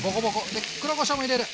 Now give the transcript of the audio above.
で黒こしょうも入れる。